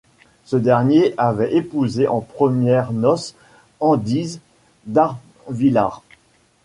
Ce dernier avait épousé en premières noces, Andize d'Arvilars.